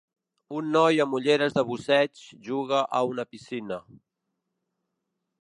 Un noi amb ulleres de busseig juga a una piscina.